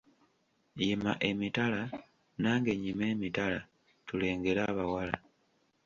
Yima emitala nange nnyime emitala tulengere abawala.